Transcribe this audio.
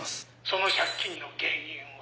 「その借金の原因は？」